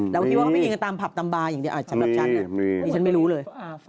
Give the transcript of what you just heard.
เราคิดว่าเขาไม่เคยกันตามผับตามบาร์อย่างเดียวอ่ะสำหรับฉันเนี่ย